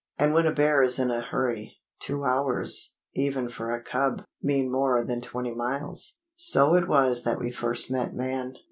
And when a bear is in a hurry, two hours, even for a cub, mean more than twenty miles. So it was that we first met man.